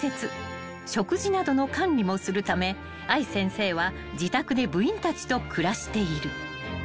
［食事などの管理もするため愛先生は自宅で部員たちと暮らしている］